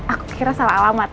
aku kira salah alamat